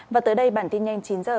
và tới đây bản tin nhanh chín giờ